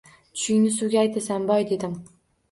Tushingni suvga aytasan boy dedim.